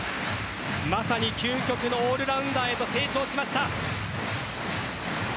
まさに究極のオールラウンダーへと成長しました。